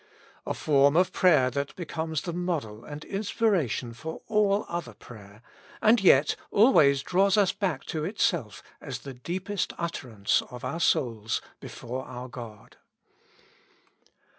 A form of prayer that becomes the model and inspiration for all other prayer, and yet always draws us back to itself as the deepest utterance of our souls before our God.